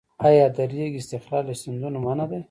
آیا د ریګ استخراج له سیندونو منع دی؟